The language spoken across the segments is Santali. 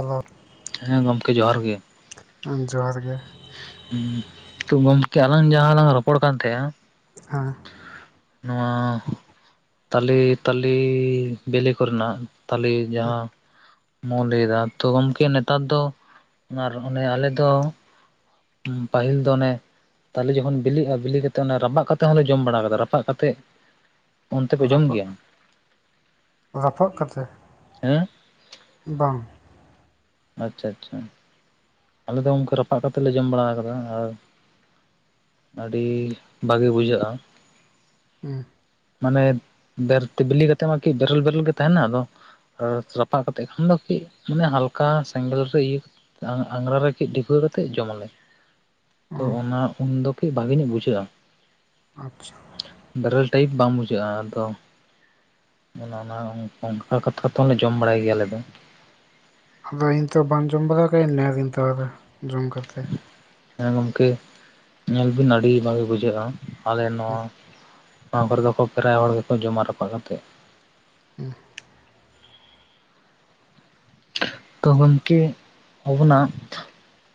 ᱦᱮᱞᱳ ᱾ ᱦᱮᱸ ᱜᱚᱢᱠᱮ ᱡᱚᱦᱟᱨ ᱜᱮ ᱾ ᱦᱮᱸ ᱡᱚᱦᱟᱨ ᱜᱮ ᱾ ᱦᱩᱸ ᱛᱚ ᱜᱚᱢᱠᱮ ᱟᱞᱟᱝ ᱡᱟᱦᱟᱸ ᱞᱟᱝ ᱨᱚᱯᱚᱲ ᱠᱟᱱ ᱛᱟᱦᱮᱸᱜ-ᱟ ᱦᱮᱸ ᱾ ᱱᱚᱣᱟ ᱛᱟᱞᱮ ᱛᱟᱞᱮ ᱵᱤᱞᱤ ᱠᱚᱨᱮᱱᱟᱜ ᱾ ᱛᱟᱞᱮ ᱡᱟᱦᱟᱸ ᱞᱟᱹᱭᱮᱫᱟ ᱛᱚ ᱜᱚᱢᱠᱮ ᱱᱮᱛᱟᱨ ᱫᱚ ᱚᱱᱮ ᱟᱞᱮ ᱫᱚ ᱦᱩᱸ ᱯᱟᱹᱦᱤᱞ ᱫᱚ ᱚᱱᱮ ᱛᱟᱦᱞᱮ ᱡᱚᱠᱷᱚᱱ ᱵᱤᱞᱤᱜ-ᱟ ᱵᱤᱞᱤ ᱠᱟᱛᱮᱫ ᱚᱱᱟ ᱨᱟᱯᱟᱜ ᱠᱟᱛᱮᱫ ᱦᱚᱸᱞᱮ ᱡᱚᱢ ᱵᱟᱲᱟ ᱟᱠᱟᱫᱟ ᱨᱟᱯᱟᱜ ᱠᱟᱛᱮᱜ ᱾ ᱨᱟᱯᱟᱜ ᱨᱟᱯᱟᱜ ᱠᱟᱛᱮ ᱦᱮᱸ [inaudible] ᱵᱟᱝ ᱾ ᱟᱪᱪᱷᱟ ᱟᱪᱪᱷᱟ ᱾ ᱟᱞᱮ ᱫᱚ ᱜᱚᱝᱠᱮ ᱨᱟᱯᱟᱜ ᱠᱟᱛᱮ ᱞᱮ ᱡᱚᱢ ᱵᱟᱲᱟ ᱟᱠᱟᱫᱟ ᱟᱨ ᱟᱹᱰᱤ ᱵᱷᱟᱜᱮ ᱵᱩᱡᱷᱟᱹᱜ-ᱟ ᱾ ᱦᱮᱸ ᱾ ᱢᱟᱱᱮ ᱵᱮᱨᱛᱮ ᱵᱤᱞᱤ ᱠᱟᱛᱮᱜ ᱢᱟᱠᱤ ᱵᱮᱨᱮᱞ ᱵᱮᱨᱮᱞ ᱜᱮ ᱛᱟᱦᱮᱱᱟ ᱟᱫᱚ ᱟᱨ ᱨᱟᱯᱟᱜ ᱠᱟᱛᱮ ᱠᱷᱟᱱ ᱫᱚ ᱠᱟᱹᱡ ᱢᱟᱱᱮ ᱦᱟᱞᱠᱟ ᱥᱮᱸᱜᱮᱞ ᱨᱮ ᱤᱭᱟᱹ ᱟᱸᱜᱽᱨᱟ ᱨᱮ ᱠᱟᱹᱡ ᱰᱷᱤᱯᱟᱹᱣ ᱠᱟᱛᱮᱫ ᱡᱚᱢ ᱟᱞᱮ ᱾ [inaudible] ᱛᱚ ᱚ ᱚᱱᱟ ᱩᱱᱫᱚ ᱠᱟᱹᱡ ᱵᱷᱟᱜᱤ ᱧᱚᱜ ᱵᱩᱡᱷᱟᱹᱜ-ᱟ ᱾ ᱟᱪᱪᱷᱟ ᱾ ᱵᱮᱨᱮᱞ ᱴᱟᱭᱤᱯ ᱵᱟᱝ ᱵᱩᱡᱷᱟᱹᱜᱼᱟ ᱟᱫᱚ᱾ ᱚᱱᱟ ᱱᱟᱦᱟᱜ ᱚᱱᱠᱟ ᱠᱟᱛᱷᱟ ᱛᱮᱦᱚᱸᱞᱮ ᱡᱚᱢ ᱵᱟᱲᱟᱭ ᱜᱮᱭᱟ ᱟᱞᱮ ᱫᱚ᱾ ᱟᱫᱚ ᱤᱧ ᱛᱚ ᱵᱟᱢ ᱡᱚᱢ ᱵᱟᱲᱟᱣ ᱠᱟᱜ-ᱟ [unintelligible] ᱛᱟᱦᱚᱞᱮ ᱡᱚᱢ ᱠᱟᱛᱮ᱾ ᱦᱮᱸ ᱜᱚᱢᱠᱮ ᱧᱮᱞ ᱵᱤᱱ ᱟᱹᱰᱤ ᱵᱷᱟᱜᱤ ᱵᱩᱡᱷᱟᱹᱜ-ᱟ᱾ ᱟᱞᱮ ᱱᱚᱣᱟ ᱦᱮᱸ ᱱᱚᱣᱟ ᱠᱚᱨᱮ ᱫᱚᱠᱚ ᱯᱮᱨᱟᱭ ᱦᱚᱲ ᱜᱮᱠᱚ ᱡᱚᱢᱟ ᱨᱟᱯᱵ ᱠᱟᱛᱮᱫ᱾ ᱦᱩᱸ᱾ ᱛᱚ ᱜᱚᱢᱠᱮ ᱟᱵᱚᱱᱟᱜ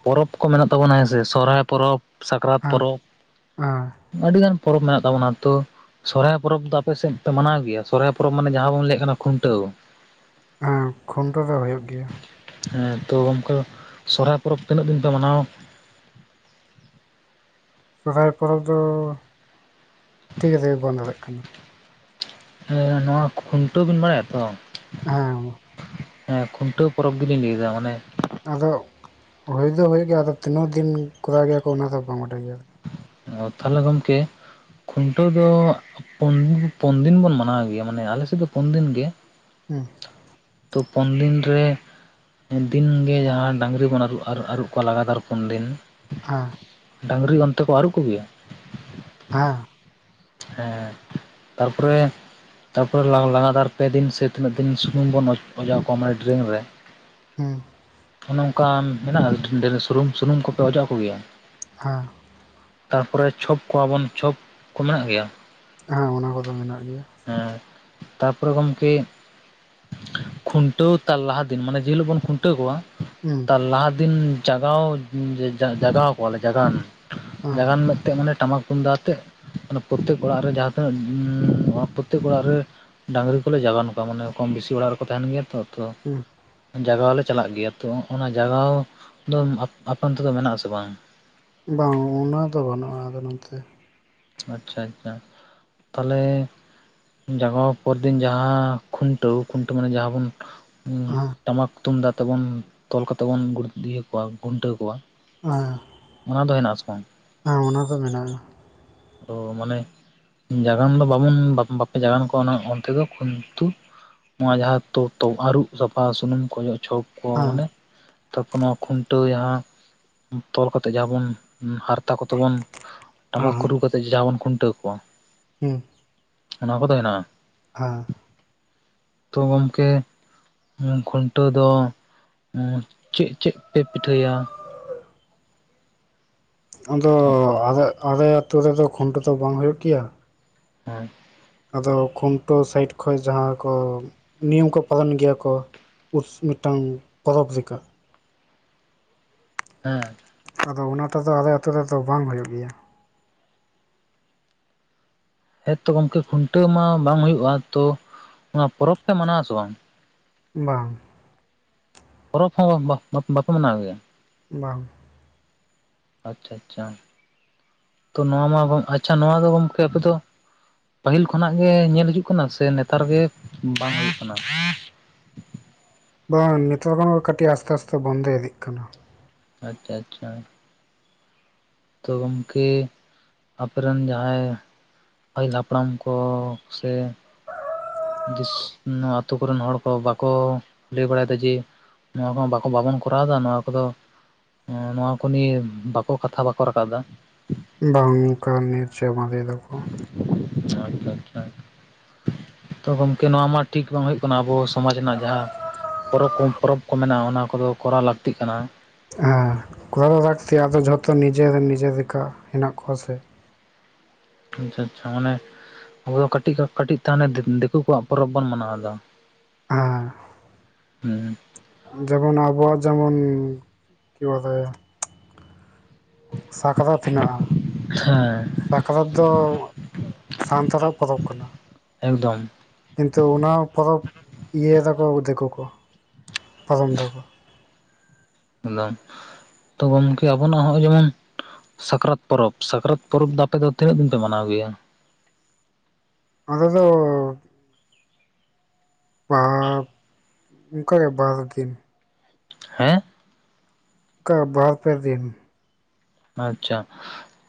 ᱯᱚᱨᱚᱵᱽ ᱠᱚ ᱢᱮᱱᱟᱜ ᱛᱟᱵᱚᱱᱟ ᱦᱮᱸᱥᱮ ᱥᱚᱨᱦᱟᱭ ᱯᱚᱨᱚᱵᱽ, ᱥᱟᱠᱨᱟᱛ ᱦᱮᱸ ᱯᱚᱨᱚᱵᱽ᱾ ᱟᱹᱰᱤᱜᱟᱱ ᱯᱚᱨᱚᱵᱽ ᱢᱮᱱᱟᱜ ᱛᱟᱵᱚᱱᱟ ᱛᱚ ᱥᱚᱨᱦᱟᱭ ᱫᱚ ᱟᱯᱮ ᱥᱮᱫ ᱯᱮ ᱢᱟᱱᱟᱣ ᱜᱮᱭᱟ᱾ ᱥᱚᱨᱦᱟᱭ ᱯᱚᱨᱚᱵᱽ ᱢᱟᱱᱮ ᱡᱟᱦᱟᱸ ᱵᱚᱱ ᱞᱟᱹᱭᱮᱫ ᱠᱟᱱᱟ ᱠᱷᱩᱱᱴᱟᱹᱣ᱾ ᱦᱮᱸ ᱠᱷᱩᱱᱴᱟᱹᱣ ᱫᱚ ᱦᱚᱭᱩᱜ ᱜᱮᱭᱟ᱾ ᱦᱮᱸ ᱛᱚ ᱜᱚᱢᱠᱮ ᱥᱦᱨᱟᱭ ᱯᱚᱨᱚᱵᱽ ᱛᱤᱱᱟᱹᱜ ᱫᱤᱱ ᱯᱮ ᱢᱟᱱᱟᱣᱟ? ᱥᱚᱦᱨᱟᱭ ᱯᱚᱨᱚᱵᱽ ᱫᱚ ᱴᱷᱤᱠ ᱟᱛᱮᱜᱮ ᱵᱟᱹᱱ ᱫᱟᱲᱮᱜ ᱠᱟᱱᱟ᱾ ᱦᱮᱸ ᱱᱚᱣᱟ ᱠᱷᱩᱱᱴᱟᱹᱣ ᱵᱮᱤᱱ ᱵᱟᱲᱟᱭᱟ ᱛᱚ? ᱦᱮᱸ᱾ ᱦᱮᱸ ᱠᱷᱩᱱᱴᱟᱹᱣ ᱯᱚᱨᱚᱵᱽ ᱜᱮᱞᱤᱧ ᱞᱟᱹᱭᱮᱫᱟ ᱢᱟᱱᱮ ᱟᱫᱚ ᱦᱩᱭ ᱫᱚ ᱦᱩᱭᱩᱜ ᱜᱮᱭᱟ ᱟᱫᱚ ᱛᱤᱱᱟᱹᱜ ᱫᱤᱱ ᱠᱚᱨᱟᱣ ᱜᱮᱭᱟ ᱠᱚ ᱚᱱᱟ ᱫᱚ ᱵᱟᱝ ᱵᱟᱰᱟᱭ ᱜᱮᱭᱟ᱾ ᱚ ᱛᱟᱦᱚᱞᱮ ᱜᱚᱢᱠᱮ ᱠᱷᱩᱱᱴᱟᱹᱣ ᱫᱚ ᱯᱩᱱ ᱯᱩᱱ ᱫᱤᱱ ᱵᱚᱱ ᱢᱟᱱᱟᱣ ᱜᱮᱭᱟ ᱢᱟᱱᱮ ᱟᱞᱮᱥᱮᱫ ᱫᱚ ᱯᱩᱱ ᱫᱤᱱ ᱜᱮ᱾ ᱦᱮᱸ᱾ ᱛᱚ ᱯᱚᱱ ᱫᱤᱱ ᱨᱮ ᱫᱤᱱᱜᱮ ᱡᱟᱦᱟᱸ ᱰᱟᱹᱟᱝᱨᱤ ᱵᱚᱱ ᱟᱨᱩᱵ ᱟᱨᱩ ᱟᱹᱨᱩᱵ ᱠᱚᱣᱟ ᱞᱟᱜᱟᱛᱟᱨ ᱯᱩᱱ ᱫᱤᱱ᱾ ᱟ᱾ ᱰᱟᱝᱨᱤ ᱚᱱᱛᱮ ᱠᱚ ᱟᱹᱨᱩᱵ ᱠᱚᱜᱮᱭᱟ? ᱦᱮᱸ᱾ ᱦᱮᱸ ᱛᱟᱨᱯᱚᱨᱮ ᱛᱟᱨᱯᱚᱨᱮ ᱞᱥᱜ-ᱞᱟᱜᱟᱛᱟᱨ ᱯᱮ ᱫᱤᱱ ᱥᱮ ᱛᱤᱱᱟᱹᱜ ᱫᱤᱱ ᱥᱩᱱᱩᱢ ᱵᱚᱱ ᱚᱡᱽ-ᱚᱡᱚᱜ ᱟᱠᱚᱣᱟ ᱢᱟᱱᱮ ᱰᱨᱮᱧ ᱨᱮ᱾ ᱦᱩᱸ᱾ ᱚᱱᱮ ᱚᱱᱠᱟ ᱢᱮᱱᱟᱜ-ᱟ [unintelligible] ᱥᱩᱱᱩᱢ ᱥᱩᱱᱩᱢ ᱠᱚᱯᱮ ᱚᱡᱚᱜ ᱠᱚᱜᱮᱭᱟ? ᱦᱮᱸ᱾ ᱛᱟᱨᱯᱚᱨᱮ ᱪᱷᱚᱯ ᱠᱚᱣᱟᱵᱚᱱ ᱪᱷᱚᱯ ᱠᱚ ᱢᱮᱱᱟᱜ ᱜᱮᱭᱟ? ᱦᱮᱸ ᱚᱱᱟ ᱠᱚᱫᱚ ᱢᱮᱱᱟᱜ ᱜᱮᱭᱟ᱾ ᱦᱮᱸ ᱛᱟᱯᱚᱨᱮ ᱜᱚᱢᱠᱮ ᱠᱷᱩᱱᱴᱟᱹᱣ ᱛᱟᱨ ᱞᱟᱦᱟ ᱫᱤᱱ᱾ ᱢᱟᱱᱮ ᱡᱮᱦᱤᱞᱳᱜ ᱵᱚᱱ ᱠᱷᱩᱱᱴᱟᱹᱣ ᱠᱚᱣᱟ᱾ ᱦᱩᱸ᱾ ᱞᱟᱦᱟ ᱫᱤᱱ ᱡᱟᱜᱟᱣ ᱡᱟ-ᱡᱟ-ᱡᱟᱜᱟᱣ ᱠᱚᱣᱟᱞᱮ ᱡᱟᱜᱟᱣᱱᱟ᱾ ᱦᱮᱸ ᱡᱟᱜᱟᱱ ᱦᱤᱞᱳᱜᱛᱮᱫ ᱢᱟᱱᱮ ᱴᱟᱢᱟᱠ ᱛᱩᱢᱫᱟᱜ ᱟᱛᱮᱜ ᱯᱨᱚᱛᱛᱮᱠ ᱚᱲᱟᱜ ᱨᱮ ᱡᱟᱦᱟᱸ ᱛᱤᱱᱟᱹᱜ ᱩᱸᱢ ᱯᱨᱚᱛᱛᱮᱠ ᱚᱲᱟᱜ ᱨᱮ ᱰᱟᱝᱨᱤ ᱠᱚᱞᱮ ᱡᱟᱜᱟᱱ ᱠᱚᱣᱟ ᱢᱚᱱᱮ ᱠᱚᱢ ᱵᱤᱥᱤ ᱚᱲᱟᱜ ᱨᱮᱠᱚ ᱛᱟᱦᱮᱱ ᱜᱮᱭᱟ ᱛᱚ ᱛᱚ᱾ ᱦᱩᱸ᱾ ᱡᱟᱜᱟᱣ ᱞᱮ ᱪᱟᱞᱟᱜ ᱜᱮᱭᱟ ᱛᱚ ᱚᱱᱟ ᱡᱟᱜᱟᱣ ᱫᱚ ᱟᱯ-ᱟᱯᱮ ᱚᱱᱛᱮ ᱫᱚ ᱢᱮᱱᱟᱜ ᱟᱥᱮ ᱵᱟᱝ? ᱵᱟᱝ ᱚᱱᱟ ᱫᱚ ᱵᱟᱹᱱᱩᱜᱼᱟ ᱟᱞᱮ ᱱᱚᱱᱛᱮ᱾ ᱟᱪᱪᱷᱟ ᱟᱪᱪᱷᱟ ᱛᱟᱞᱦᱮ ᱡᱟᱜᱟᱣ ᱯᱚᱨ ᱫᱤᱱ ᱡᱟᱦᱟᱸ ᱠᱷᱩᱱᱴᱟᱹᱣ᱾ ᱠᱷᱩᱱᱴᱟᱹᱣ ᱢᱟᱱᱮ ᱡᱟᱦᱟᱸ ᱵᱚᱱ ᱟᱸ᱾ ᱴᱟᱢᱟᱠ ᱛᱩᱢᱫᱟᱜ ᱛᱮᱵᱚᱱ ᱛᱚᱞ ᱠᱟᱛᱮ ᱵᱩᱱ ᱤᱭᱟᱹ ᱠᱚᱣᱟ, ᱜᱩᱱᱴᱟᱹᱣ ᱠᱚᱣᱟ᱾ ᱦᱮᱸ, ᱚᱱᱟ ᱫᱚ ᱦᱮᱱᱟᱜ ᱟᱥᱮ ᱵᱟᱝ ᱦᱮᱸ ᱚᱱᱟ ᱫᱚ ᱢᱮᱱᱟᱜᱼᱟ᱾ ᱛᱚ ᱢᱟᱱᱮ ᱡᱟᱜᱟᱱ ᱫᱚ ᱵᱟᱵᱚᱱ ᱵᱟᱯᱮ ᱡᱟᱜᱟᱱ ᱠᱚᱣᱟ ᱚᱱᱟ ᱚᱱᱛᱮ ᱫᱚ ᱠᱤᱱᱛᱩ ᱱᱚᱣᱟ ᱡᱟᱦᱟᱸ ᱛᱚ-ᱛᱚ ᱟᱨᱩᱵ ᱥᱟᱯᱷᱟ ᱥᱩᱱᱩᱢ ᱠᱚ ᱚᱡᱚᱜ ᱪᱷᱚᱠ ᱠᱚ ᱦᱮᱸ ᱢᱟᱱᱮ ᱛᱟᱨᱯᱚᱨ ᱱᱚᱣᱟ ᱠᱷᱩᱱᱴᱟᱹᱣ ᱡᱟᱦᱟᱸ, ᱛᱚᱞ ᱠᱟᱛᱮ ᱡᱟᱦᱟᱸ ᱵᱚᱱ ᱦᱟᱨ ᱛᱟ ᱠᱚᱛᱮ ᱵᱚᱱ ᱦᱟᱸ ᱴᱟᱢᱟᱠ ᱨᱩ ᱡᱟᱦᱟᱸ ᱵᱚᱱ ᱠᱷᱩᱱᱴᱟᱹᱣ ᱠᱚᱣᱟ᱾ ᱦᱩᱸ᱾ ᱚᱱᱟ ᱠᱚᱫᱚ ᱦᱮᱱᱟᱜᱼᱟ᱾ ᱦᱟᱸ᱾ ᱛᱚ ᱜᱚᱢᱠᱮ ᱠᱷᱩᱱᱴᱟᱹᱣ ᱫᱚ ᱪᱮᱫ ᱪᱮᱫ ᱯᱮ ᱯᱤᱴᱷᱟᱹᱭᱟ? ᱟᱫᱚ ᱟᱞᱮ-ᱟᱞᱮ ᱟᱹᱛᱩ ᱨᱮᱫᱚ ᱠᱷᱩᱱᱴᱟᱹᱣ ᱫᱚ ᱵᱟᱝ ᱦᱩᱭᱩᱜ ᱜᱮᱭᱟ᱾ ᱦᱮᱸ᱾ ᱟᱫᱚ ᱠᱷᱩᱱᱴᱟᱹᱣ ᱥᱟᱭᱤᱰ ᱠᱷᱚᱱ ᱡᱟᱦᱟᱸ ᱠᱚ ᱱᱤᱭᱚᱢ ᱠᱚ ᱯᱟᱞᱚᱱ ᱜᱮᱭᱟ ᱠᱚ ᱩᱥ ᱢᱤᱫᱴᱟᱝ ᱯᱚᱨᱚᱵᱽ ᱞᱮᱠᱟ᱾ ᱦᱮᱸ᱾ ᱟᱫᱚ ᱚᱱᱟᱴᱟᱜ ᱫᱚ ᱟᱞᱮ ᱟᱛᱩ ᱨᱮᱫᱚ ᱵᱟᱝ ᱦᱩᱭᱩᱜ ᱜᱮᱭᱟ᱾ ᱦᱮᱸᱛᱚ ᱜᱚᱢᱠᱮ ᱠᱷᱩᱱᱴᱟᱹᱣ ᱢᱟ ᱵᱟᱝ ᱦᱳᱭᱳᱜᱼᱟ, ᱛᱚ ᱚᱱᱟ ᱯᱚᱨᱚᱵᱽ ᱯᱮ ᱢᱟᱱᱟᱣ ᱟ ᱥᱮ ᱵᱟᱝ? ᱵᱟᱝ᱾ ᱯᱚᱨᱚᱵᱽ ᱦᱚᱸ ᱵᱟᱠᱚ ᱢᱟᱱᱟᱣ ᱜᱮᱭᱟ? ᱵᱟᱝ᱾ ᱟᱪᱪᱷᱟ, ᱟᱪᱪᱷᱟ ᱛᱚ ᱱᱚᱣᱟ ᱢᱟ ᱟᱪᱪᱷᱟ ᱱᱚᱣᱟ ᱫᱚ ᱜᱚᱢᱠᱮ ᱟᱯᱮ ᱫᱚ ᱯᱟᱹᱦᱤᱞ ᱠᱷᱚᱱᱟᱜ ᱜᱮ ᱧᱮᱞ ᱦᱤᱡᱩᱜ ᱠᱟᱱᱟ, ᱥᱮ ᱱᱮᱛᱟᱨ ᱜᱮ ᱵᱟᱝ ᱦᱩᱭᱩᱜ ᱠᱟᱱᱟ? ᱵᱟᱝ ᱱᱮᱛᱟᱨ ᱠᱷᱚᱱ ᱠᱟᱹᱴᱤᱡ ᱟᱥᱛᱮ ᱟᱥᱛᱮ ᱵᱚᱱᱫᱮᱭ ᱤᱫᱤᱜ ᱠᱟᱱᱟ᱾ ᱟᱪᱪᱷᱟ, ᱟᱪᱪᱷᱟ᱾ ᱛᱚ ᱜᱚᱢᱠᱮ ᱟᱯᱮᱨᱮᱱ ᱨᱮᱱ ᱡᱟᱦᱟᱸᱭ ᱯᱟᱹᱦᱤᱞ ᱦᱟᱯᱲᱟᱢ ᱠᱚ ᱥᱮ ᱫᱤᱥ ᱱᱚᱣᱟ ᱟᱛᱩ ᱠᱚᱨᱮᱱ ᱦᱚᱲ ᱠᱚ ᱵᱟᱠᱚ ᱞᱟᱹᱭ ᱵᱟᱲᱟᱭ ᱫᱟ ᱡᱮ ᱱᱚᱣᱟ ᱠᱚ ᱵᱟᱠᱚ ᱵᱟᱵᱚᱱ ᱠᱚᱨᱟᱣᱮᱫᱟ ᱱᱚᱣᱟ ᱠᱚᱫᱚ ᱦᱩᱸ ᱱᱚᱶᱟ ᱠᱚ ᱱᱤᱭᱟ, ᱵᱟᱠᱚ ᱠᱟᱛᱷᱟ ᱵᱟᱠᱚ ᱨᱟᱠᱟᱵ ᱮᱫᱟ᱾ ᱦᱩᱸ ᱵᱟᱝ ᱚᱱᱠᱟ ᱧᱤᱨ ᱪᱟᱵᱟ ᱮᱫᱟᱠᱚ᱾ ᱟᱪᱪᱷᱟ, ᱟᱪᱪᱷᱟ ᱛᱚ ᱜᱚᱝᱠᱮ ᱱᱚᱣᱟ ᱢᱟ ᱴᱷᱤᱠ ᱵᱟᱝ ᱦᱩᱭᱩᱜ ᱠᱟᱱᱟ ᱟᱵᱚ ᱥᱚᱢᱟᱡᱽ ᱨᱮᱱᱟᱜ ᱡᱟᱦᱟᱸ ᱯᱚᱨᱚᱵᱽ ᱠᱚᱢ ᱯᱚᱨᱚᱵᱽ ᱠᱚ ᱢᱮᱱᱟᱜ-ᱟ ᱚᱱᱟ ᱠᱚᱫᱚ ᱠᱚᱨᱟᱣ ᱞᱟᱹᱠᱛᱤᱜ ᱠᱟᱱᱟ᱾ ᱦᱮᱸ ᱠᱚᱨᱟᱣ ᱞᱟᱹᱠᱛᱤ ᱟᱫᱚ ᱡᱷᱚᱛᱚ ᱱᱤᱡᱮᱨ ᱱᱤᱡᱮ ᱞᱮᱠᱟ ᱦᱮᱱᱟᱜ ᱠᱚᱣᱟ ᱥᱮ᱾ ᱟᱪᱪᱷᱟ, ᱟᱪᱪᱷᱟ ᱚᱱᱮ ᱟᱵᱚ ᱠᱟᱹᱴᱤᱜᱟ ᱠᱟᱹᱴᱤᱡ [unintelligible] ᱫᱤᱠᱩ ᱠᱚᱣᱟᱜ ᱯᱚᱨᱚᱵᱽ ᱵᱚᱱ ᱢᱟᱱᱟᱣ ᱫᱟ᱾ ᱦᱮᱸ᱾ ᱦᱩᱸ᱾ ᱡᱮᱢᱚᱱ ᱟᱵᱚᱣᱟᱜ ᱡᱮᱢᱚᱱ [unintelligible] ᱥᱟᱠᱨᱟᱛ ᱦᱮᱱᱟᱜ-ᱟ᱾ ᱦᱮᱸ᱾ ᱥᱟᱠᱨᱟᱛ ᱫᱚ ᱥᱟᱱᱛᱟᱲᱟᱜ ᱯᱚᱨᱚᱵᱽ ᱠᱟᱱᱟ᱾ ᱮᱠᱫᱚᱢ᱾ ᱠᱤᱱᱛᱩ ᱚᱱᱟ ᱯᱚᱨᱚᱵᱽ ᱤᱭᱟᱹᱭ ᱫᱟᱠᱚ ᱫᱤᱠᱩ ᱠᱚ, ᱯᱟᱨᱚᱢ ᱫᱟᱠᱚ᱾ ᱮᱫᱚᱢ ᱛᱚ ᱜᱚᱝᱠᱮ ᱟᱵᱚᱱᱟᱜ ᱦᱚᱸᱜ-ᱚᱭ ᱡᱮᱢᱚᱱ ᱥᱟᱠᱨᱟᱛ ᱯᱚᱨᱚᱵᱽ ᱥᱟᱠᱨᱟᱛ ᱯᱚᱨᱚᱵᱽ ᱫᱚ ᱟᱯᱮ ᱫᱚ ᱛᱤᱱᱟᱹᱜ ᱫᱤᱱ ᱯᱮ ᱢᱟᱱᱟᱣ ᱜᱮᱭᱟ᱾ ᱟᱸᱞᱮ ᱫᱚ [unintelligible] ᱚᱱᱠᱟ ᱜᱮ ᱵᱟᱨ ᱫᱤᱱ ᱦᱮᱸ ᱚᱱᱠᱟ ᱵᱟᱨ ᱯᱮ ᱫᱤᱱ ᱟᱪᱪᱷᱟ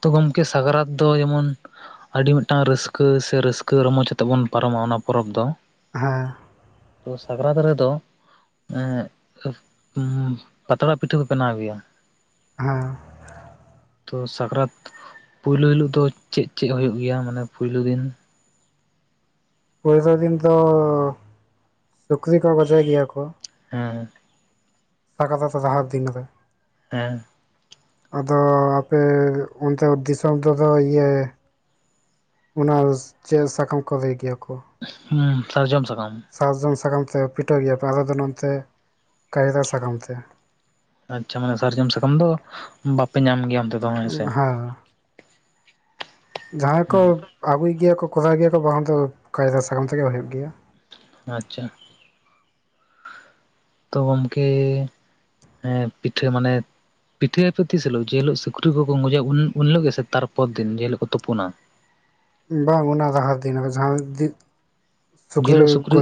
ᱛᱚ ᱜᱚᱝᱠᱮ ᱫᱚ ᱥᱟᱠᱨᱟᱛ ᱫᱚ ᱡᱮᱢᱚᱱ ᱟᱹᱰᱤ ᱢᱤᱫᱴᱟᱝ ᱨᱟᱹᱥᱠᱟᱹ ᱥᱮ ᱨᱟᱹᱥᱠᱟᱹ ᱨᱚᱢᱚᱡᱽ ᱟᱛᱮᱜ ᱵᱚᱱ ᱯᱟᱨᱚᱢᱟ ᱚᱱᱟ ᱯᱚᱨᱚᱵᱽ ᱫᱚ ᱦᱮᱸ ᱛᱚ ᱥᱟᱠᱨᱟᱛ ᱨᱮᱫᱚ [inaudible] ᱯᱟᱛᱲᱟ ᱯᱤᱴᱷᱟᱹ ᱠᱚ ᱵᱮᱱᱟᱣ ᱜᱮᱭᱟ᱾ ᱦᱮᱸ ᱛᱚ ᱥᱟᱠᱨᱟᱛ ᱯᱩᱭᱞᱩ ᱦᱤᱞᱳ ᱫᱚ ᱪᱮᱫ ᱪᱮᱫ ᱦᱩᱭᱩᱜ ᱜᱮᱭᱟ ᱢᱟᱱᱮ ᱯᱩᱭᱞᱩ ᱫᱤᱱ? ᱯᱩᱭᱨᱩ ᱫᱤᱱ ᱫᱚ ᱥᱩᱠᱨᱤ ᱠᱚ ᱜᱚᱡᱮ ᱜᱮᱭᱟ ᱠᱚ ᱦᱮᱸ [unintelligible] ᱡᱟᱦᱟᱸ ᱫᱤᱱ ᱨᱮ ᱦᱮᱸ ᱟᱫᱚ ᱟᱯᱮ ᱚᱱᱛᱮ ᱫᱤᱥᱚᱢ ᱚᱱᱛᱮ ᱤᱭᱟ ᱚᱱᱟ ᱪᱮᱜ ᱥᱟᱠᱟᱢ ᱠᱚ ᱞᱟᱹᱭ ᱜᱮᱭᱟ ᱠᱚ᱾ ᱦᱩᱸ ᱥᱟᱨᱡᱚᱢ ᱥᱟᱠᱟᱢ ᱥᱟᱨᱡᱚᱢ ᱥᱟᱠᱟᱢ ᱛᱮ ᱯᱤᱴᱷᱟᱹᱣ ᱜᱮᱭᱟ ᱯᱮ ᱟᱞᱮ ᱫᱚ ᱱᱚᱱᱛᱮ, ᱠᱟᱭᱨᱟ ᱥᱟᱠᱟᱢ ᱛᱮ᱾ ᱟᱪᱪᱷᱟ ᱢᱟᱱᱮ ᱥᱟᱨᱡᱚᱢ ᱥᱟᱠᱟᱢ ᱫᱚ ᱵᱟᱯᱮ ᱧᱟᱢ ᱜᱮᱭᱟ ᱚᱱᱛᱮ ᱫᱚ ᱦᱮᱸ ᱦᱚᱸ ᱥᱮ ᱡᱟᱸᱦᱟᱭ ᱠᱚ ᱟᱹᱜᱩᱭ ᱜᱮᱭᱟ ᱠᱚ ᱠᱚᱨᱟᱣ ᱜᱮᱭᱟ ᱠᱚ ᱵᱟᱦᱟᱱ ᱫᱚ ᱠᱟᱭᱨᱟ ᱥᱟᱠᱟᱢ ᱛᱮᱜᱮ ᱦᱩᱭᱩᱜ ᱜᱮᱭᱟ᱾ ᱟᱪᱪᱷᱟ ᱛᱚ ᱜᱚᱢᱠᱮ ᱮᱸ ᱯᱤᱴᱷᱟᱹ ᱢᱟᱱᱮᱫ ᱯᱤᱴᱷᱟᱹᱭᱟᱯᱮ ᱛᱤᱥ ᱦᱤᱞᱳᱜ ᱡᱮᱦᱤᱞᱳᱜ ᱥᱩᱠᱨᱤ ᱠᱚᱠᱚᱝ ᱜᱚᱡᱮᱭᱟ ᱩᱱ-ᱩᱱ ᱦᱤᱞᱳᱜ ᱜᱮ ᱥᱮ ᱛᱟᱨ ᱯᱚᱨ ᱫᱤᱱ ᱡᱮᱦᱤᱞᱳᱜ ᱠᱚ ᱛᱩᱯᱩᱱᱟ ᱵᱟᱝ ᱚᱱᱟ ᱞᱟᱦᱟ ᱫᱤᱱ ᱠᱚ ᱡᱟᱦᱟᱸᱭ ᱫᱤ ᱡᱮ ᱦᱤᱞᱳᱜ ᱥᱩᱠᱨᱤ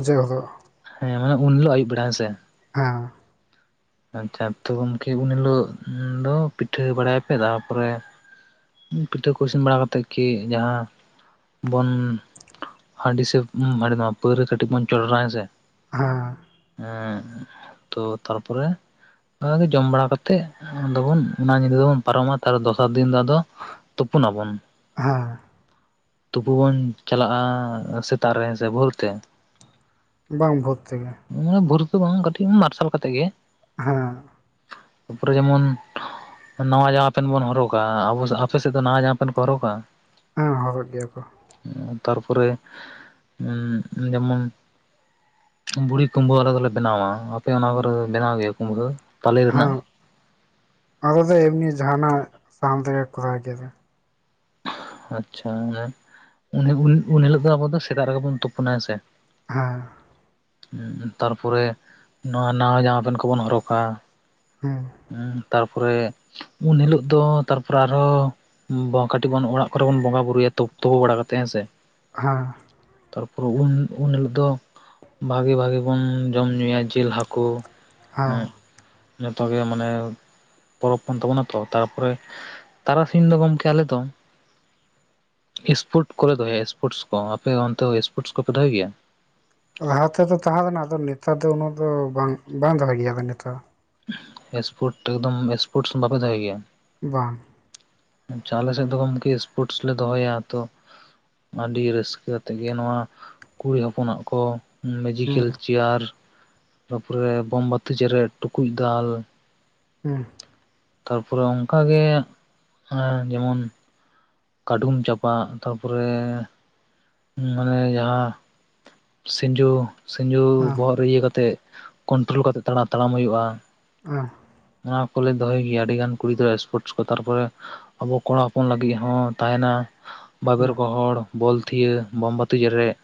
ᱦᱮᱸ ᱢᱟᱱᱮ ᱩᱱ ᱦᱤᱞᱚᱜ ᱟᱹᱭᱩᱵ ᱵᱮᱲᱟ ᱦᱮᱸᱥᱮ ᱦᱮᱸ ᱟᱪᱪᱷᱟ ᱛᱚ ᱜᱚᱝᱠᱮ ᱩᱱ ᱦᱤᱞᱳᱜ ᱫᱚ ᱯᱤᱴᱷᱟᱹ ᱵᱟᱲᱟᱭᱟ ᱯᱮ ᱛᱟᱨᱯᱚᱨᱮ ᱯᱤᱴᱷᱟᱹ ᱠᱚ ᱤᱥᱤᱱ ᱵᱟᱲᱟ ᱠᱟᱛᱮᱫ ᱠᱤ ᱡᱟᱦᱟᱸ ᱵᱚᱱ ᱦᱟᱺᱰᱤ ᱥᱮ ᱩᱸᱢ ᱦᱟᱺᱰᱤ [unintelligible] ᱯᱟᱹᱣᱨᱟᱹ ᱠᱟᱹᱴᱤᱡ ᱵᱚᱱ ᱪᱚᱰᱚᱨᱟ ᱦᱮᱸ ᱥᱮ ᱦᱮᱸ ᱦᱮᱸ ᱛᱚ ᱛᱟᱨᱯᱚᱨᱮ ᱚᱮ [unintelligible] ᱡᱚᱢ ᱵᱟᱲᱟ ᱠᱟᱛᱮᱜ ᱟᱫᱚᱵᱚᱱ ᱚᱱᱟ ᱧᱤᱫᱟᱹ ᱫᱚᱵᱚᱱ ᱯᱟᱨᱚᱢᱟ ᱛᱟᱦᱞᱮ ᱫᱚᱥᱟᱨ ᱫᱤᱱ ᱫᱚ ᱟᱫᱚ ᱛᱩᱯᱩᱱᱟ ᱵᱚᱱ᱾ ᱦᱮᱸ ᱛᱩᱯᱩ ᱵᱚᱱ ᱪᱟᱞᱟᱜᱼᱟ ᱥᱮᱛᱟᱜ ᱨᱮ ᱥᱮ ᱵᱷᱳᱨᱛᱮ? ᱵᱟᱝ ᱵᱷᱳᱨ ᱛᱮᱜᱮ᱾ ᱟᱱᱟᱹᱜ ᱵᱷᱳᱨ ᱫᱚ ᱵᱟᱝ ᱠᱟᱹᱴᱤᱡ ᱢᱟᱨᱥᱟᱞ ᱠᱟᱛᱮᱜ ᱜᱮ᱾ ᱦᱮᱸ᱾ ᱛᱟᱨᱯᱚᱨᱮ ᱡᱮᱢᱚᱱ ᱱᱟᱣᱟ ᱡᱟᱢᱟ ᱯᱮᱱ ᱵᱚᱱ ᱦᱚᱨᱚᱜᱟ ᱟᱵᱚ ᱟᱯᱮ ᱥᱮᱫ ᱫᱚ ᱱᱟᱣᱟ ᱡᱟᱢᱟ ᱯᱮᱱ ᱠᱚ ᱦᱚᱨᱚᱜᱟ? ᱦᱮᱸ ᱦᱚᱨᱚᱜ ᱜᱮᱭᱟ ᱠᱚ᱾ ᱛᱟᱨᱯᱚᱨᱮ ᱩᱸᱜ ᱡᱮᱢᱚᱱ ᱵᱩᱲᱦᱤ ᱠᱩᱢᱵᱟᱹ ᱟᱞᱮ ᱫᱚᱞᱮ ᱵᱮᱱᱟᱣᱟ, ᱟᱯᱮ ᱚᱱᱟ ᱠᱚᱨᱮ ᱫᱚ ᱵᱮᱱᱟᱣ ᱜᱮᱭᱟ ᱠᱩᱢᱵᱷᱟᱹ? ᱦᱮᱸ ᱟᱞᱮ ᱫᱚ ᱮᱢᱱᱤ ᱡᱟᱦᱟᱸᱱᱟᱜ ᱥᱟᱦᱟᱱ ᱛᱮᱜᱮ ᱠᱚᱨᱟᱣ ᱜᱮᱭᱟ ᱞᱮ᱾ ᱟᱪᱪᱷᱟ ᱚᱱᱮ ᱩᱱ ᱩᱱ ᱦᱤᱞᱳᱜ ᱫᱚ ᱟᱵᱚ ᱫᱚ ᱥᱮᱛᱟᱜ ᱨᱮᱜᱮ ᱵᱚᱱ ᱛᱩᱯᱩᱱᱟ ᱦᱮᱸᱥᱮ? ᱦᱮᱸ᱾ ᱛᱟᱨᱯᱚᱨᱮ ᱱᱚᱣᱟ ᱱᱟᱣᱟ ᱡᱟᱢᱟ ᱯᱮᱱᱴ ᱠᱚᱵᱚᱱ ᱦᱚᱨᱚᱜᱟ, ᱦᱮᱸ᱾ ᱦᱮᱸ ᱛᱟᱨᱯᱚᱨᱮ ᱩᱱ ᱦᱤᱞᱚᱜ ᱫᱚ ᱛᱟᱨᱯᱚᱨᱮ ᱟᱨᱦᱚ ᱠᱟᱹᱴᱤᱡ ᱵᱚᱱ ᱚᱲᱟᱜ ᱠᱚᱨᱮ ᱵᱚᱱ ᱵᱚᱸᱜᱟ ᱵᱩᱨᱩᱭᱟ ᱛᱩ-ᱛᱩᱯᱩ ᱵᱟᱲᱟ ᱠᱟᱛᱮᱜ ᱦᱮᱸᱥᱮ? ᱦᱮᱸ᱾ ᱛᱟᱨᱯᱚᱨᱮ ᱩᱱ-ᱩᱱᱦᱤᱞᱳᱜ ᱫᱚ ᱵᱷᱟᱹᱜᱤ ᱵᱷᱟᱹᱜᱤ ᱵᱩᱱ ᱡᱚᱢ ᱧᱩᱭᱟ ᱡᱤᱞ ᱦᱟᱹᱠᱩ᱾ ᱦᱮᱸ᱾ ᱛᱚᱜᱮ ᱢᱟᱱᱮ ᱯᱚᱨᱚᱵᱽ ᱠᱟᱱ ᱛᱟᱵᱚᱱᱟ ᱛᱚ ᱛᱟᱨᱯᱚᱨᱮ ᱛᱟᱨᱟᱥᱤᱧ ᱫᱚ ᱜᱚᱢᱠᱮ ᱟᱞᱮ ᱫᱚ ᱮᱥᱯᱳᱨᱴ ᱠᱚᱞᱮ ᱫᱚᱦᱚᱭᱟ ᱮᱥᱯᱳᱨᱴᱥ ᱠᱚ ᱟᱯᱮ ᱚᱱᱛᱮ ᱥᱯᱳᱨᱴ ᱠᱚᱯᱮ ᱫᱚᱦᱚᱭ ᱜᱮᱭᱟ? ᱞᱟᱦᱟ ᱛᱮᱫᱚ ᱛᱟᱦᱮᱸ ᱠᱟᱱᱟ ᱟᱫᱚ ᱱᱮᱛᱟᱨ ᱫᱚ ᱩᱱᱟᱹᱜ ᱫᱚ ᱵᱟᱝ ᱵᱟᱝ ᱫᱚᱦᱚᱭᱟ ᱜᱮᱭᱟ ᱠᱚ ᱱᱮᱛᱟᱨ᱾ ᱮᱥᱯᱳᱨᱴ ᱮᱠᱫᱚᱢ ᱮᱥᱯᱳᱨᱴᱥ ᱦᱚᱸ ᱵᱟᱯᱮ ᱫᱚᱦᱚᱭ ᱜᱮᱭᱟ? ᱵᱟᱝ᱾ ᱟᱪᱪᱷᱟ ᱟᱞᱮ ᱥᱮᱫ ᱫᱚ ᱜᱚᱢᱠᱮ ᱥᱯᱳᱨᱴᱥ ᱞᱮ ᱫᱚᱦᱚᱭᱟ ᱛᱚ ᱟᱹᱰᱤ ᱨᱟᱹᱥᱠᱟᱹ ᱛᱮᱜᱮ ᱱᱚᱣᱟ ᱠᱩᱲᱤ ᱦᱚᱯᱚᱱᱟᱜ ᱠᱚ ᱢᱮᱡᱤᱠᱮᱞ ᱦᱩᱸ ᱪᱮᱭᱟᱨ ᱛᱟᱯᱚᱨᱮ ᱵᱳᱢᱵᱟᱛᱤ ᱪᱮᱮᱨᱡ, ᱴᱩᱠᱩᱡ ᱫᱟᱞ ᱦᱩᱸ᱾ ᱛᱟᱨᱯᱚᱨᱮ ᱚᱱᱠᱟᱜᱮ ᱟ ᱡᱮᱢᱚᱱ ᱠᱟᱹᱰᱷᱩᱢ ᱪᱟᱯᱟᱜ ᱛᱟᱨᱯᱚᱨᱮ ᱚᱱᱮ ᱡᱟᱦᱟᱸ ᱥᱤᱸᱡᱩ ᱥᱤᱸᱡᱩ ᱦᱮᱸ ᱵᱚᱦᱚᱜ ᱨᱮ ᱤᱭᱟᱹ ᱠᱟᱛᱮᱜ ᱠᱚᱱᱴᱨᱳᱞ ᱠᱟᱛᱮ ᱛᱟᱲᱟ-ᱛᱟᱲᱟᱢ ᱦᱩᱭᱩᱜᱼᱟ᱾ ᱚ᱾ ᱚᱱᱟ ᱠᱚᱞᱮ ᱫᱚᱦᱚᱭ ᱜᱮᱭᱟ ᱟᱹᱰᱤ ᱜᱟᱱ ᱠᱩᱲᱤᱜᱤᱫᱽᱨᱟᱹ ᱮᱥᱯᱳᱨᱴᱥ ᱠᱚ ᱛᱟᱨᱯᱚᱨᱮ ᱟᱵᱚ ᱠᱚᱲᱟ ᱦᱚᱯᱚᱱ ᱞᱟᱹᱜᱤᱫ ᱦᱚᱸ ᱛᱟᱦᱮᱸᱱᱟ᱾ ᱵᱟᱵᱮᱨ ᱜᱚᱦᱚᱲ, ᱵᱚᱞᱛᱷᱤᱭᱟᱹ, ᱵᱳᱢᱵᱟᱹᱛᱤ ᱡᱮᱨᱮᱫ᱾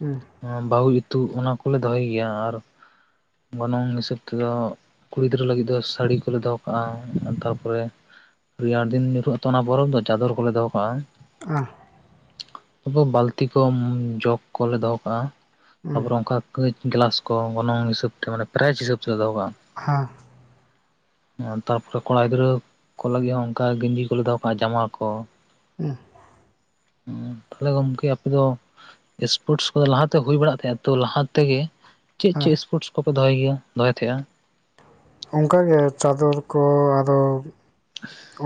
ᱦᱮᱸ᱾ ᱵᱟᱹᱦᱩ ᱤᱛᱩ ᱚᱱᱟ ᱠᱚᱞᱮ ᱫᱚᱦᱚᱭ ᱜᱮᱭᱟ ᱟᱨ ᱜᱚᱱᱚᱝ ᱦᱤᱥᱟᱹᱵ ᱛᱮᱫᱚ ᱠᱩᱲᱤ ᱜᱤᱫᱽᱨᱟᱹ ᱞᱟᱹᱜᱤᱫ ᱫᱚ ᱥᱟᱹᱲᱤ ᱠᱚᱞᱮ ᱫᱚᱦᱚ ᱠᱟᱜᱼᱟ, ᱛᱟᱨᱯᱚᱨᱮ ᱨᱮᱭᱟᱲ ᱫᱤᱱ ᱧᱩᱨᱦᱩᱜ ᱟᱛᱚ ᱚᱱᱟ ᱯᱚᱨᱚᱵᱽ ᱫᱚ, ᱪᱟᱫᱚᱨ ᱠᱚᱞᱮ ᱫᱚᱦᱚ ᱠᱟᱜᱼᱟ᱾ ᱚᱸ᱾ ᱟᱵᱚ ᱵᱟᱹᱛᱤ ᱠᱚᱢ ᱡᱚᱜ ᱠᱚᱞᱮ ᱫᱚᱦᱚ ᱠᱟᱜᱼᱟ ᱛᱟᱯᱚᱨᱮ ᱚᱱᱠᱟ ᱠᱟᱹᱪ ᱜᱞᱟᱥ ᱠᱚ ᱜᱚᱱᱚᱝ ᱦᱤᱥᱟᱹᱵᱽ ᱛᱮ ᱢᱟᱱᱮ ᱯᱨᱟᱭᱤᱡ ᱦᱤᱥᱟᱹᱵ ᱛᱮᱞᱮ ᱫᱚᱦᱚ ᱠᱟᱜᱼᱟ᱾ ᱦᱟᱸ ᱾ ᱛᱟᱨᱯᱚᱨᱮ ᱠᱚᱲᱟ ᱜᱤᱫᱽᱨᱟᱹ ᱠᱚ ᱞᱟᱹᱜᱤᱫ ᱦᱚᱸ ᱚᱝᱠᱟ ᱜᱮᱧᱡᱤ ᱠᱚᱞᱮ ᱫᱚᱦᱚ ᱠᱟᱜᱼᱟ ᱡᱟᱢᱟ ᱠᱚ ᱾ ᱩᱸᱜ᱾ ᱦᱩᱸ᱾ ᱛᱟᱦᱚᱞᱮ ᱜᱚᱝᱠᱮ ᱟᱯᱮ ᱫᱚ ᱥᱯᱳᱨᱴᱥ ᱠᱚᱫᱚ ᱞᱟᱦᱟᱛᱮ ᱦᱩᱭ ᱵᱟᱲᱟᱜ ᱛᱟᱦᱮᱸᱜᱼᱟ ᱛᱚ ᱞᱟᱦᱟ ᱛᱮᱜᱮ ᱪᱮᱫ ᱦᱮᱸ ᱪᱮᱫ ᱮᱥᱯᱳᱨᱴᱥ ᱠᱚᱯᱮ ᱫᱚᱦᱚᱭ ᱜᱮᱭᱟ ᱫᱚᱦᱚᱭ ᱛᱟᱦᱮᱸᱜᱼᱟ? ᱚᱝᱠᱟ ᱜᱮ ᱪᱟᱫᱚᱨ ᱠᱚ ᱟᱨᱚ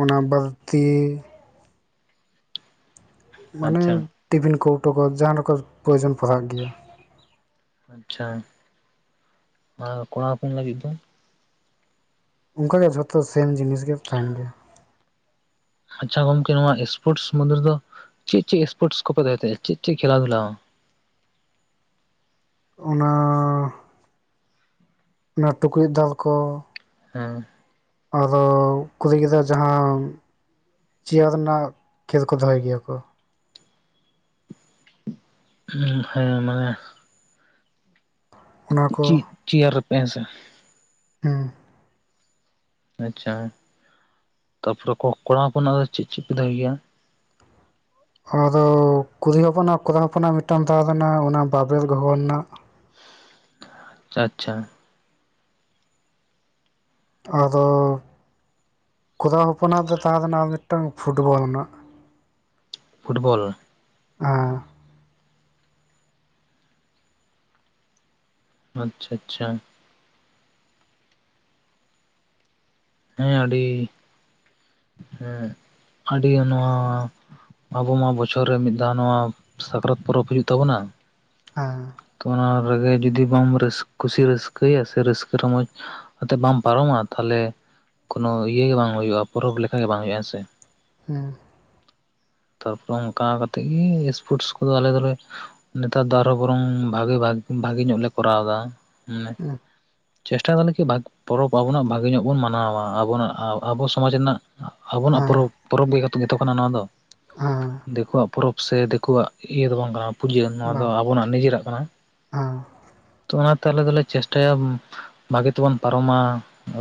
ᱚᱱᱟ ᱵᱟᱹᱞᱛᱤ ᱾ ᱢᱟᱱᱮ ᱟᱪᱪᱷᱟ ᱴᱤᱯᱷᱤᱱ ᱠᱳᱣᱴᱚ ᱠᱚ ᱡᱟᱦᱟᱸ ᱨᱮᱠᱚ ᱯᱨᱚᱭᱳᱡᱚᱱ ᱯᱟᱲᱦᱟᱜ ᱜᱮᱭᱟ ᱾ ᱟᱪᱪᱷᱟ, ᱟᱨ ᱠᱚᱲᱟ ᱦᱚᱯᱚᱱ ᱞᱟᱹᱜᱤᱫ ᱫᱚ? ᱚᱝᱠᱟ ᱜᱮ ᱡᱷᱚᱛᱚ ᱥᱮᱢ ᱡᱤᱱᱤᱥ ᱜᱮ ᱛᱟᱦᱮᱱ ᱜᱮᱭᱟ ᱾ ᱟᱪᱪᱷᱟ ᱜᱚᱝᱠᱮ, ᱱᱚᱣᱟ ᱥᱯᱳᱨᱴᱥ ᱢᱳᱫᱽᱫᱷᱮ ᱨᱮᱫᱚ ᱪᱮᱜ ᱪᱮᱜ ᱥᱯᱳᱨᱴᱥ ᱠᱚᱯᱮ ᱫᱚᱦᱚᱭ ᱛᱟᱦᱮᱸᱜᱼᱟ ᱪᱮᱜ ᱪᱮᱜ ᱠᱷᱮᱞᱟ ᱫᱷᱩᱞᱟ? ᱚᱱᱟᱻ ᱚᱱᱟ ᱴᱩᱠᱩᱡ ᱫᱟᱞ ᱠᱚ ᱾ ᱦᱮᱸ ᱾ ᱟᱫᱚ, ᱠᱩᱨᱤ ᱜᱤᱫᱽᱨᱟᱹ ᱡᱟᱦᱟᱸ ᱪᱮᱭᱟᱨ ᱱᱟᱜ ᱠᱷᱮᱞ ᱠᱚ ᱫᱚᱦᱚᱭ ᱜᱮᱭᱟ ᱠᱚ ᱾ ᱦᱩᱸ ᱦᱮᱸ, ᱢᱟᱱᱮ ᱚᱱᱟ ᱠᱚ ᱪᱤᱫ ᱪᱮᱭᱟᱨ ᱨᱮᱯᱮ ᱦᱮᱸ ᱥᱮ ᱾ ᱦᱮᱸ ᱟᱪᱪᱷᱟ, ᱛᱟᱯᱚᱨᱮ ᱠᱚ-ᱠᱚᱲᱟ ᱦᱚᱯᱚᱱᱟᱜ ᱫᱚ ᱪᱮᱜ ᱪᱮᱜ ᱯᱮ ᱫᱚᱦᱚᱭᱚ ᱜᱮᱭᱟ? ᱟᱫᱚ ᱠᱩᱨᱤ ᱦᱚᱯᱚᱱᱟᱜ ᱠᱚᱨᱟ ᱦᱚᱯᱚᱱᱟᱜ ᱢᱤᱫᱴᱟᱝ ᱛᱟᱦᱮᱸᱞᱮᱱᱟ ᱚᱱᱟ ᱵᱟᱵᱮᱨ ᱜᱚᱦᱚᱨ ᱱᱟᱜ ᱟᱪᱪᱷᱟ ᱟᱪᱪᱷᱟ ᱟᱫᱚᱻ ᱠᱚᱨᱟ ᱦᱚᱯᱚᱱᱟᱜ ᱫᱚ ᱛᱟᱦᱮᱸ ᱞᱮᱱᱟ ᱢᱤᱫᱴᱟᱝ ᱯᱷᱩᱴᱵᱚᱞ ᱨᱮᱱᱟᱜ ᱾ ᱯᱷᱩᱴᱵᱚᱞ? ᱦᱟᱸ ᱾ ᱟᱪᱪᱷᱟ ᱟᱪᱪᱷᱟ᱾ ᱦᱮᱸ ᱟᱹᱰᱤ, ᱮᱸᱜ ᱟᱹᱰᱤ ᱱᱚᱣᱟ ᱟᱵᱚ ᱢᱟ ᱵᱚᱪᱷᱚᱨ ᱨᱮ ᱢᱤᱫ ᱫᱷᱟᱣ ᱱᱚᱣᱟ ᱥᱟᱠᱨᱟᱛ ᱯᱚᱨᱚᱵᱽ ᱦᱩᱭᱩᱜ ᱛᱟᱵᱚᱱᱟ ᱾ ᱦᱮᱸ! ᱛᱚ ᱚᱱᱟ ᱨᱮᱜᱮ ᱡᱩᱫᱤ ᱵᱟᱢ ᱨᱟᱹᱥ ᱠᱩᱥᱤ ᱨᱟᱹᱥᱠᱟᱹᱭᱟ ᱥᱮ ᱨᱟᱹᱥᱠᱟᱹ ᱨᱚᱢᱚᱡᱽ ᱟᱛᱮ ᱵᱟᱢ ᱯᱟᱨᱚᱢᱟ ᱛᱟᱦᱚᱞᱮ ᱠᱳᱱᱳ ᱤᱭᱟᱹᱜᱮ ᱵᱟᱝ ᱦᱩᱭᱩᱜᱼᱟ, ᱯᱚᱨᱚᱵᱽ ᱞᱮᱠᱟ ᱜᱮ ᱵᱟᱝ ᱦᱩᱭᱩᱜᱼᱟ ᱦᱮᱸ ᱥᱮ ᱾ ᱦᱮᱸ ᱛᱟᱨᱯᱚᱨᱮ ᱚᱝᱠᱟ ᱠᱟᱛᱮᱜ ᱜᱮ ᱥᱯᱳᱨᱴᱥ ᱠᱚᱫᱚ ᱟᱞᱮ ᱫᱚᱞᱮ ᱱᱮᱛᱟᱨ ᱫᱚ ᱟᱨᱚ ᱵᱚᱨᱚᱝ ᱵᱷᱟᱜᱮ-ᱵᱷᱟᱜ-ᱵᱷᱟᱜᱮ ᱧᱚᱜ ᱞᱮ ᱠᱚᱨᱟᱣ ᱮᱫᱟ ᱾ ᱢᱟᱱᱮ ᱪᱮᱥᱴᱟᱭ ᱫᱟᱞᱮ ᱠᱤ ᱵᱷᱟᱜᱮ ᱯᱚᱨᱚᱵᱽ ᱟᱵᱚᱱᱟᱜ ᱵᱷᱟᱜᱮ ᱧᱚᱜ ᱵᱚᱱ ᱢᱟᱱᱟᱣᱟ ᱾ ᱟᱵᱚᱱᱟᱜ ᱟ-ᱟᱵᱚ ᱥᱚᱢᱟᱡᱽ ᱨᱮᱱᱟᱜ ᱟᱵᱚᱱᱟᱜ ᱦᱮᱸ ᱯᱚᱨᱚᱵᱽ ᱯᱚᱨᱚᱵᱽ ᱜᱮ ᱜᱮᱛᱚ ᱠᱟᱱᱟ ᱱᱚᱣᱟ ᱫᱚ ᱾ ᱦᱮᱸ ᱾ ᱫᱮᱠᱳᱣᱟᱜ ᱯᱚᱨᱚᱵᱽ ᱥᱮ ᱫᱮᱠᱳᱣᱟᱜ ᱤᱭᱟᱹ ᱫᱚ ᱵᱟᱝ ᱠᱟᱱᱟ ᱯᱩᱡᱟᱹ ᱱᱚᱣᱟ ᱫᱚ ᱵᱟᱝ ᱟᱵᱚᱱᱟᱜ ᱱᱤᱡᱮᱨᱟᱜ ᱠᱟᱱᱟ ᱾ ᱦᱮᱸ ᱛᱚ ᱚᱱᱟᱛᱮ ᱟᱞᱮ ᱫᱚᱞᱮ ᱪᱮᱥᱴᱟᱭᱟ ᱵᱷᱟᱜᱮ ᱛᱮᱵᱚᱱ ᱯᱟᱨᱚᱢᱟ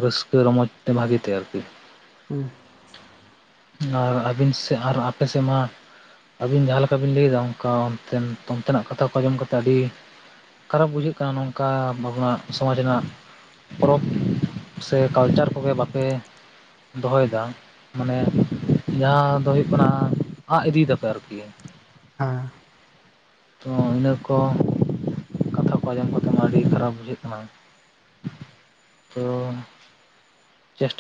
ᱨᱟᱹᱥᱠᱟᱹ ᱨᱚᱢᱚᱡᱽ ᱛᱮ ᱵᱷᱟᱜᱤ ᱛᱮ ᱟᱨᱠᱤ ᱾ ᱦᱩᱸ ᱟᱨ ᱟᱹᱵᱤᱱ ᱥᱮᱜ ᱟᱨ ᱟᱯᱮ ᱥᱮᱜ ᱢᱟ ᱟᱹᱵᱤᱱ ᱡᱟᱦᱟᱸ ᱞᱮᱠᱟ ᱵᱤᱱ ᱞᱟᱹᱭᱮᱫᱟ ᱚᱝᱠᱟ ᱚᱱᱛᱮ ᱚᱱᱛᱮᱱᱟᱜ ᱠᱟᱛᱷᱟ ᱠᱚ ᱟᱸᱡᱚᱢ ᱠᱟᱛᱮ ᱟᱹᱰᱤ ᱠᱷᱟᱨᱟᱯ ᱵᱩᱡᱷᱟᱹᱜ ᱠᱟᱱᱟ ᱱᱚᱝᱠᱟ ᱵᱟᱵᱚᱱᱟᱜ ᱥᱚᱢᱟᱡᱽ ᱨᱮᱱᱟᱜ ᱯᱚᱨᱚᱵᱽ ᱥᱮ ᱠᱟᱞᱪᱟᱨ ᱠᱚᱜᱮ ᱵᱟᱯᱮ ᱫᱚᱦᱚᱭᱫᱟ ᱾ ᱢᱟᱱᱮ ᱡᱟᱦᱟᱸ ᱫᱚ ᱦᱩᱭᱩᱜ ᱠᱟᱱᱟ ᱟᱸᱜ ᱤᱫᱤᱭ ᱫᱟᱯᱮ ᱟᱨᱠᱤ ᱦᱮᱸ ᱾ ᱛᱚ ᱤᱱᱟᱹ ᱠᱚ ᱠᱟᱛᱷᱟ ᱠᱚ ᱟᱸᱡᱚᱢ ᱠᱟᱛᱮᱜ ᱢᱟ ᱟᱹᱰᱤ ᱠᱷᱟᱨᱟᱯ ᱵᱩᱡᱷᱟᱹᱜ ᱠᱟᱱᱟ ᱾ ᱛᱚ ᱪᱮᱥ